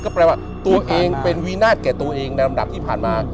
แปลว่าตัวเองเป็นวินาศแก่ตัวเองในลำดับที่ผ่านมา